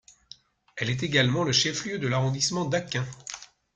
Elle est également le chef-lieu de l'arrondissement d'Aquin.